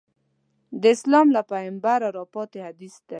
د اسلام له پیغمبره راپاتې حدیث دی.